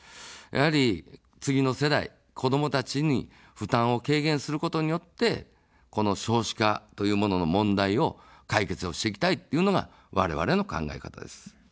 やはり、次の世代、子どもたちに負担を軽減することによって、この少子化というものの問題を解決をしていきたいというのがわれわれの考え方です。